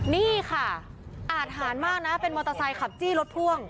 นี่ค่ะอาทหารมากนะเป็นมอเตอร์ไซค์ขับจี้รถพ่วง